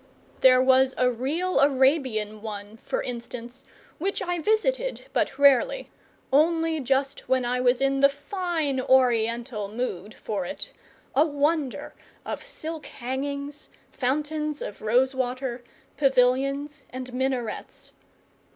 There was a real Arabian one, for instance, which I visited but rarely only just when I was in the fine Oriental mood for it; a wonder of silk hangings, fountains of rosewater, pavilions, and minarets.